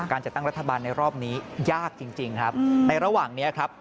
การจัดตั้งรัฐบาลในรอบนี้ยากจริงครับในระหว่างนี้ครับ